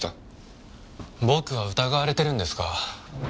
僕は疑われているんですか。